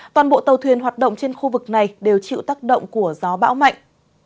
toàn bộ tàu thuyền hoạt động trên khu vực này đều chịu tác động của gió bão mạnh